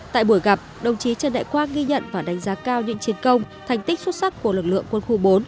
tại buổi gặp đồng chí trần đại quang ghi nhận và đánh giá cao những chiến công thành tích xuất sắc của lực lượng quân khu bốn